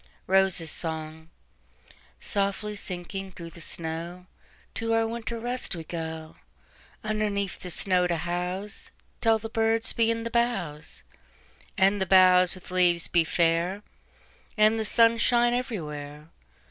ROSES' SONG"SOFTLY sinking through the snow, To our winter rest we go, Underneath the snow to houseTill the birds be in the boughs, And the boughs with leaves be fair, And the sun shine everywhere.